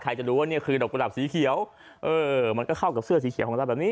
จะรู้ว่านี่คือดอกกุหลับสีเขียวเออมันก็เข้ากับเสื้อสีเขียวของเราแบบนี้